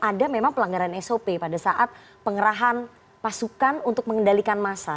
ada memang pelanggaran sop pada saat pengerahan pasukan untuk mengendalikan massa